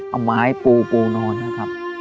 เอาไม้ปูปูนอนนะครับ